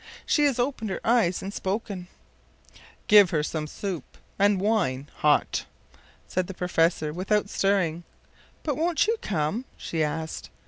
She has opened her eyes and spoken.” “Give her some soup and wine hot,” said the professor, without stirring. “But won’t you come?” she asked.